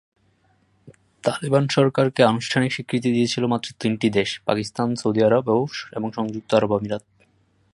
তালেবান সরকারকে আনুষ্ঠানিক স্বীকৃতি দিয়েছিলো মাত্র তিনটি দেশ: পাকিস্তান, সৌদি আরব এবং সংযুক্ত আরব আমিরাত।